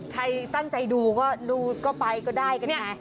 ใครตั้งใจดูก็ดูก็ไปก็ได้กันไง